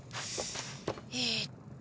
えっと。